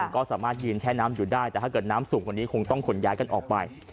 ก็สามารถยืนแช่น้ำอยู่ได้แต่ถ้าเกิดน้ำสูงกว่านี้คงต้องขนย้ายกันออกไป